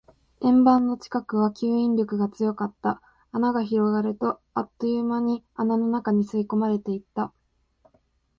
円盤の近くは吸引力が強かった。穴が広がると、あっという間に穴の中に吸い込まれていった。